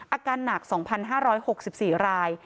อาการหนัก๒๕๖๔ราย